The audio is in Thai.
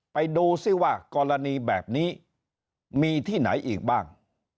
ไปดูซิว่ากรณีแบบนี้มีที่ไหนอีกบ้าง